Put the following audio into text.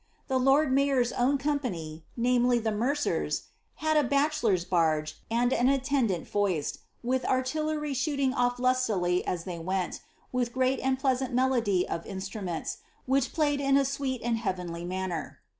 The lord mayor's own company — namely, the mercer's — had a bachelor's barge and an attendant foist, with artillery shooting off lustily as they went, with great and pleasant iDPlodv of instrument?, which plaved in a sweet and heavenlv manner."